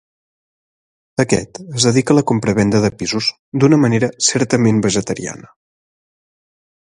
Aquest es dedica a la compra-venda de pisos d'una manera certament vegetariana.